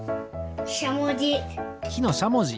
しゃもじ。